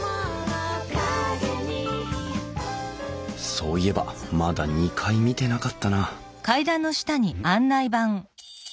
そういえばまだ２階見てなかったなうん？